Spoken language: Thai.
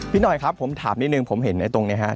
พี่หน่อยครับผมถามนิดหนึ่งผมเห็นไอ้ตรงนี้ครับ